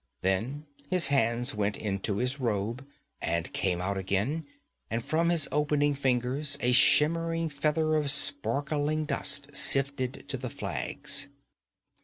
Then his hand went into his robe and came out again, and from his opening fingers a shimmering feather of sparkling dust sifted to the flags.